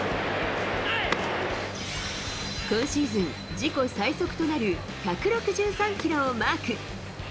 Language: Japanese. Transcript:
今シーズン自己最速となる１６３キロをマーク。